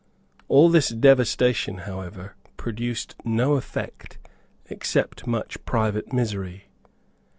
All this devastation, however, produced no effect except much private misery.